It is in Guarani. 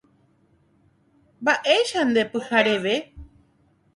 Mba'éichapa nde pyhareve.